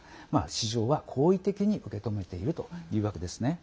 市場は好意的に受け止めているというわけですね。